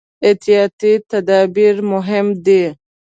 احتیاطي تدابیر مهم دي.